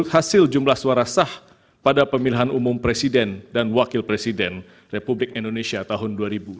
hasil jumlah suara sah pada pemilihan umum presiden dan wakil presiden republik indonesia tahun dua ribu sembilan belas